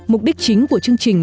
mục đích chính của chương trình